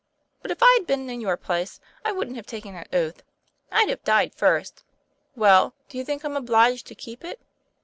But if I'd been in your place I wouldn't have taken that oath. I'd have died first. " "Well, do you think I'm obliged to keep it?"